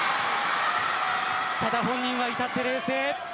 ただ本人は至って冷静。